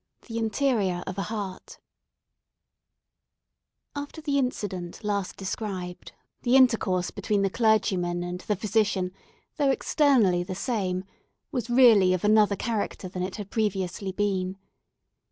XI. THE INTERIOR OF A HEART After the incident last described, the intercourse between the clergyman and the physician, though externally the same, was really of another character than it had previously been.